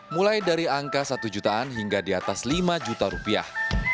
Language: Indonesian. mulai dari angka satu jutaan hingga di atas lima juta rupiah